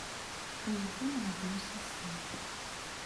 У яго нарадзіўся сын.